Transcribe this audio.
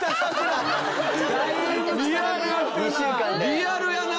リアルやな。